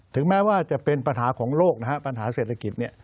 ถึงแม้ว่าจะเป็นปัญหาของโลกปัญหาเศรษฐกิจ